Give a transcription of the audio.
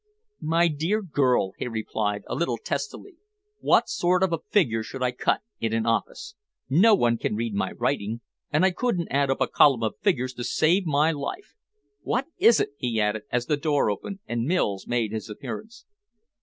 "My dear girl," he replied a little testily, "what sort of a figure should I cut in an office! No one can read my writing, and I couldn't add up a column of figures to save my life. What is it?" he added, as the door opened, and Mills made his appearance.